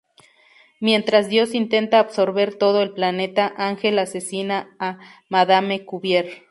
Mientras Dios intenta absorber todo el planeta, Angel asesina a Madame Cuvier.